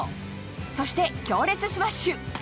そして、強烈スマッシュ！